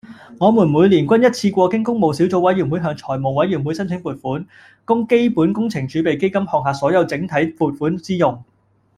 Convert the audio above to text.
我們每年均一次過經工務小組委員會向財務委員會申請撥款，供基本工程儲備基金項下所有整體撥款支用